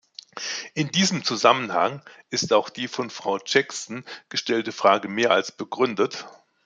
In diesem Zusammenhang ist auch die von Frau Jackson gestellte Frage mehr als begründet.